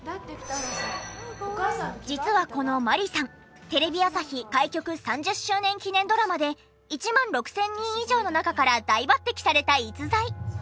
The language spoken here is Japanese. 実はこの万里さんテレビ朝日開局３０周年記念ドラマで１万６０００人以上の中から大抜擢された逸材。